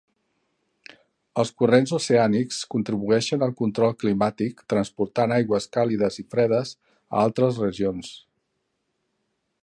Els corrents oceànics contribueixen al control climàtic transportant aigües càlides i fredes a altres regions.